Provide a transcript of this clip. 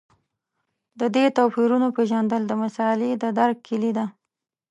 د دې توپیرونو پېژندل د مسألې د درک کیلي ده.